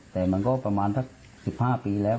แต่ประมาณ๑๕ปีแล้ว